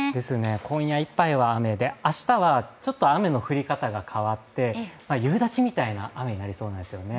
今夜いっぱいは雨で明日はちょっと雨の降り方が変わって夕立みたいな雨になりそうなんですよね。